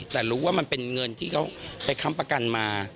แต่รู้ว่ามันเป็นเงินที่เขาไปค้ำประกันมา